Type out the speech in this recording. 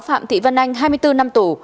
phạm thị văn anh hai mươi bốn năm tủ